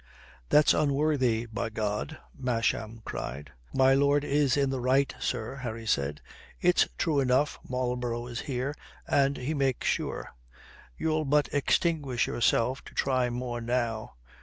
"That's unworthy, by God," Masham cried. "My lord is in the right, sir," Harry said. "It's true enough, Marlborough is here and he makes sure. You'll but extinguish yourself to try more now.